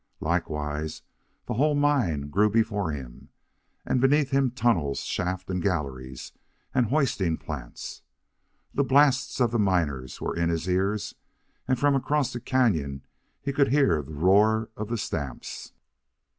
Likewise, the whole mine grew before him and beneath him tunnels, shafts, and galleries, and hoisting plants. The blasts of the miners were in his ears, and from across the canon he could hear the roar of the stamps.